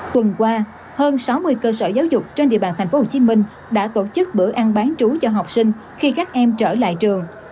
tuần qua hơn sáu mươi cơ sở giáo dục trên địa bàn thành phố hồ chí minh đã tổ chức bữa ăn bán trú cho học sinh khi các em trở lại trường